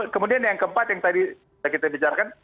kemudian yang keempat yang tadi kita bicarakan